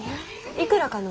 いくらかの？